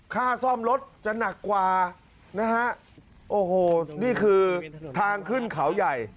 ค่าซ่อมรถจะหนักกว่านะฮะโอ้โหนี่คือทางขึ้นเขาใหญ่